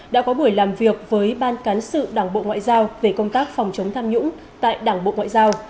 đã có buổi làm việc với ban cán sự đảng bộ ngoại giao về công tác phòng chống tham nhũng tại đảng bộ ngoại giao